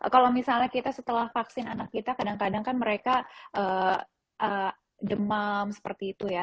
kalau misalnya kita setelah vaksin anak kita kadang kadang kan mereka demam seperti itu ya